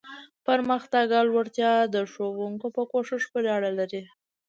پرمختګ او لوړتیا د ښوونکو په کوښښ پورې اړه لري.